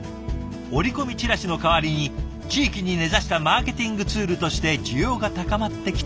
折り込みチラシの代わりに地域に根ざしたマーケティングツールとして需要が高まってきているんだとか。